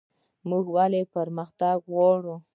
موږ ولې پرمختګ غواړو؟